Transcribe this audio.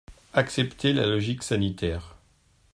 Acceptez la logique sanitaire.